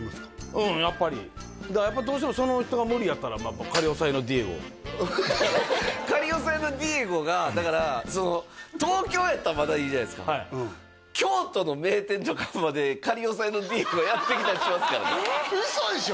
うんやっぱりやっぱどうしてもその人が無理やったら仮押さえのディエゴ仮押さえのディエゴがだから東京やったらまだいいじゃないですか京都の名店とかまで仮押さえのディエゴがやって来たりしますからね嘘でしょ！？